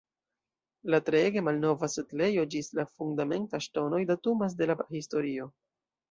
La treege malnova setlejo ĝis la fundamentaj ŝtonoj datumas de la prahistorio.